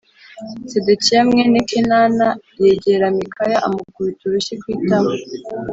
Sedekiya mwene kenana yegera mikaya amukubita urushyi ku itama